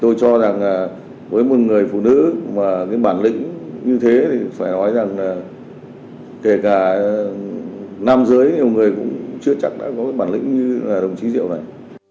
tôi cho rằng với một người phụ nữ mà cái bản lĩnh như thế thì phải nói rằng là kể cả nam giới nhiều người cũng chưa chắc đã có cái bản lĩnh như đồng chí diệu này